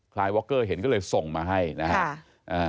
ลายวอคเกอร์เห็นก็เลยส่งมาให้นะครับ